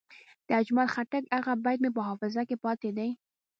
د اجمل خټک هغه بیت مې په حافظه کې پاتې دی.